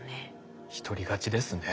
一人勝ちですね。